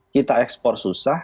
kita ekspor susah